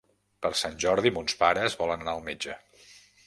Per Sant Jordi mons pares volen anar al metge.